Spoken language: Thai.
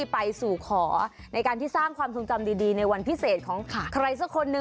พี่รักน้องจังหู้